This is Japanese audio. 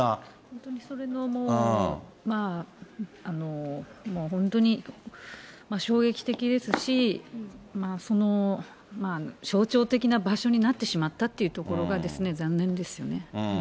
本当にそれの、もう本当に、衝撃的ですし、象徴的な場所になってしまったというところがですね、残念ですね。